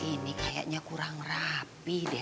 ini kayaknya kurang rapi deh